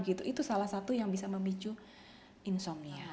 itu salah satu yang bisa memicu insomnia